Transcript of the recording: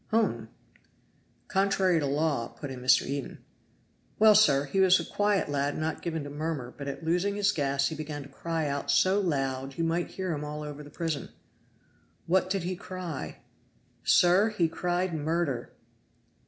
"Hum!" "Contrary to law!" put in Mr. Eden. "Well, sir, he was a quiet lad not given to murmur, but at losing his gas he began to cry out so loud you might hear him all over the prison." "What did he cry?" "Sir, he cried MURDER!"